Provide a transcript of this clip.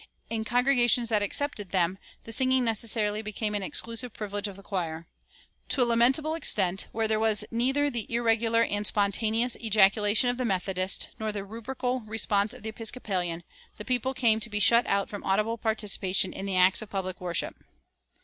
In congregations that accepted them the singing necessarily became an exclusive privilege of the choir. To a lamentable extent, where there was neither the irregular and spontaneous ejaculation of the Methodist nor the rubrical response of the Episcopalian, the people came to be shut out from audible participation in the acts of public worship.